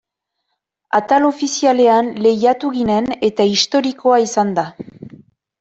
Atal ofizialean lehiatu ginen eta historikoa izan da.